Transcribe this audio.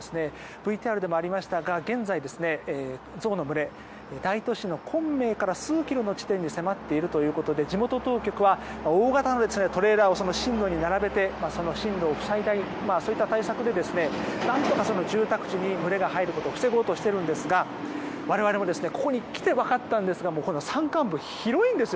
ＶＴＲでもありましたが現在、ゾウの群れ大都市の昆明から数キロの地点に迫っているということで地元当局は大型のトレーラーを進路に並べて進路を塞いだりそういった対策で何とか住宅地に群れが入ることを防ごうとしているんですが我々もここに来て分かったんですがこの山間部は広いんです。